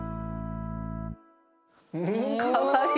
かわいい。